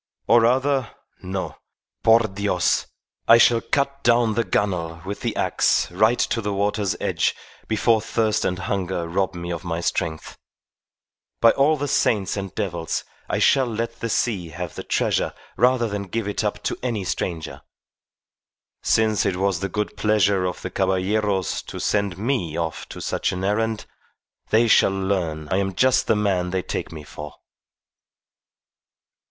Or rather no; por Dios! I shall cut down the gunwale with the axe right to the water's edge before thirst and hunger rob me of my strength. By all the saints and devils I shall let the sea have the treasure rather than give it up to any stranger. Since it was the good pleasure of the Caballeros to send me off on such an errand, they shall learn I am just the man they take me for."